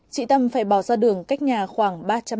chị tâm phải bỏ ra đường cách nhà khoảng ba mươi km